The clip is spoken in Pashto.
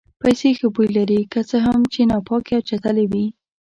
پیسې ښه بوی لري که څه هم چې ناپاکې او چټلې وي.